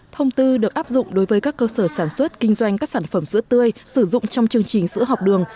thông tư được áp dụng đối với các cơ sở sản xuất kinh doanh các sản phẩm sữa tươi sử dụng trong chương trình sữa học đường